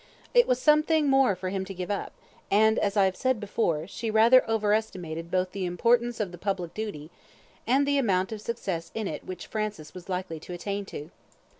It was something more for him to give up, and, as I have said before, she rather overestimated both the importance of the public duty and the amount of success in it which Francis was likely to attain to.